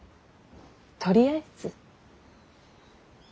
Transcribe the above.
とりあえず。